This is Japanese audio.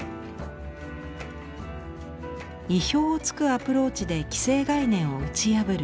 意表をつくアプローチで既成概念を打ち破る